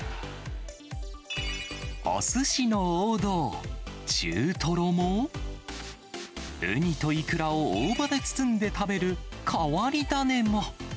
おすしの王道、中トロも、ウニとイクラを大葉で包んで食べる変わり種も。